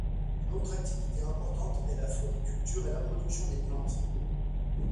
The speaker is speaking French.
Une autre activité importante est la floriculture et la production des plantes.